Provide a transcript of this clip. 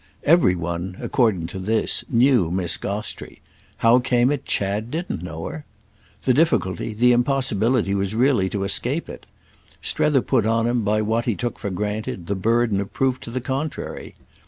Every one, according to this, knew Miss Gostrey: how came it Chad didn't know her? The difficulty, the impossibility, was really to escape it; Strether put on him, by what he took for granted, the burden of proof of the contrary.